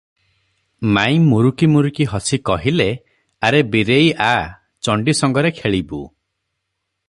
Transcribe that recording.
ମାଇଁ ମୁରୁକି ମୁରୁକି ହସି ହସି କହିଲେ, "ଆରେ ବୀରେଇ ଆ, ଚଣ୍ଡୀ ସଙ୍ଗରେ ଖେଳିବୁ ।"